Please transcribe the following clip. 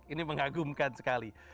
ini mengagumkan sekali